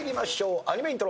アニメイントロ。